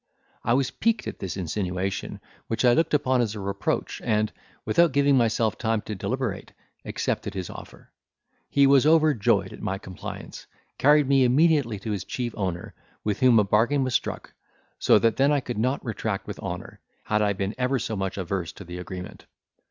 I was piqued at this insinuation, which I looked upon as a reproach, and, without giving myself time to deliberate, accepted his offer. He was overjoyed at my compliance, carried me immediately to his chief owner, with whom a bargain was struck; so that then I could not retract with honour, had I been ever so much averse to the agreement.